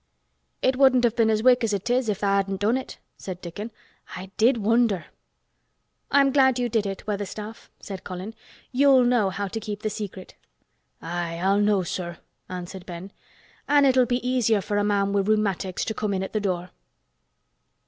"It wouldn't have been as wick as it is if tha' hadn't done it," said Dickon. "I did wonder." "I'm glad you did it, Weatherstaff," said Colin. "You'll know how to keep the secret." "Aye, I'll know, sir," answered Ben. "An' it'll be easier for a man wi' rheumatics to come in at th' door."